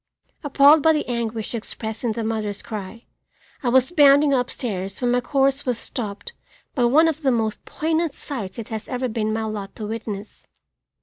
Appalled by the anguish expressed in the mother's cry, I was bounding up stairs when my course was stopped by one of the most poignant sights it has ever been my lot to witness.